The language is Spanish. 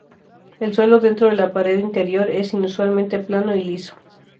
El suelo dentro de la pared interior es inusualmente plano y liso.